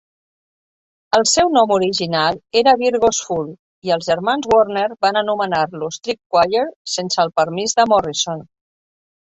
El seu nom original era "Virgo's Fool" i els germans Warner van anomenar-lo "Street Choir" sense el permís de Morrison.